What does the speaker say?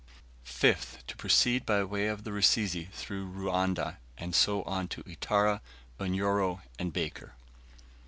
5th. To proceed by way of the Rusizi through Ruanda, and so on to Itara, Unyoro, and Baker.